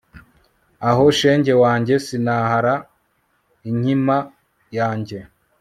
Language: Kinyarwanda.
aho shenge wanjye sinahara inkima yanjye